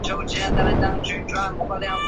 乔治湖著名于它的水位变化。